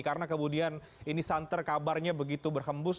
karena kemudian ini santer kabarnya begitu berhembus